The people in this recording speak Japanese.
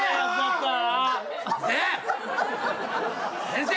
先生！